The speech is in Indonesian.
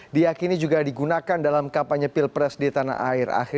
diakini juga digunakan dalam kampanye pilpres di tanah air